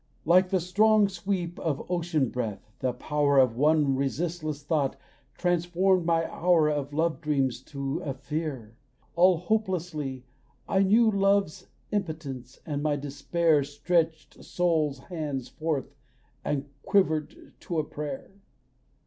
Like the strong sweep of ocean breath the power Of one resistless thought transformed my hour Of love dreams to a fear. All hopelessly I knew love's impotence, and my despair Stretched soul hands forth, and quivered to a prayer.